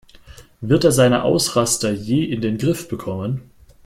Wird er seine Ausraster je in den Griff bekommen?